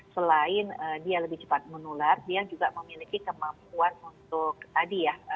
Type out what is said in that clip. selain dia lebih cepat menular dia juga memiliki kemampuan untuk tadi ya